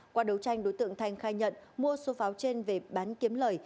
qua đấu tranh đối tượng thanh khai nhận mua số pháo trên về bán kiếm lời